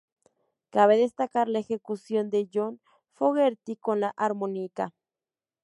Cabe destacar la ejecución de John Fogerty con la armónica.